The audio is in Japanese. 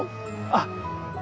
あっ。